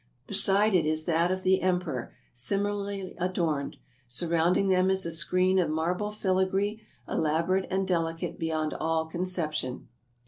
Beside it is that of the Emperor, similarly adorned. Surrounding them is a screen of marble filigree elaborate and delicate beyond all conception.